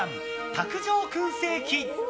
卓上燻製器。